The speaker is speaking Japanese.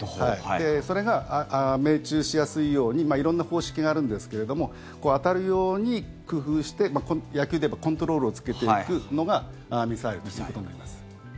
それが命中しやすいように色んな方式があるんですけれども当たるように工夫して野球でいえばコントロールをつけていくのがミサイルということになります。